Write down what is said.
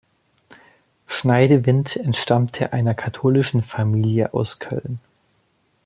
Schneidewind entstammte einer katholischen Familie aus Köln.